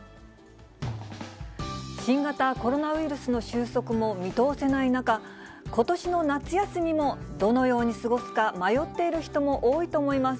新型コロナウイルスの収束も見通せない中、ことしの夏休みも、どのように過ごすか、迷っている人も多いと思います。